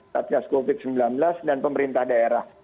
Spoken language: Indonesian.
satgas covid sembilan belas dan pemerintah daerah